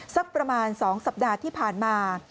สักประมาณ๒สัปดาห์ที่ผ่านมา